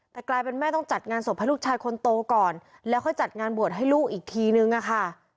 แต่กลายเป็นแม่ต้องจัดงานศพให้ลูกชายคนโตก่อนแล้วค่อยจัดงานบวชให้ลูกอีกทีนึงอะค่ะ